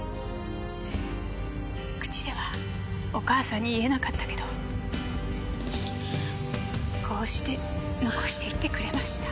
口ではお母さんに言えなかったけどこうして残していってくれました。